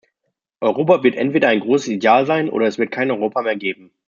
Europa wird entweder ein großes Ideal sein oder es wird kein Europa mehr geben.